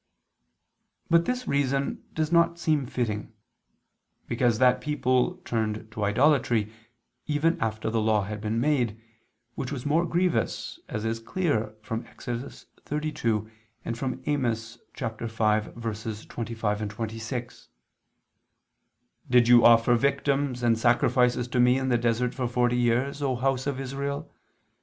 But this reason does not seem fitting: because that people turned to idolatry, even after the Law had been made, which was more grievous, as is clear from Ex. 32 and from Amos 5:25, 26: "Did you offer victims and sacrifices to Me in the desert for forty years, O house of Israel?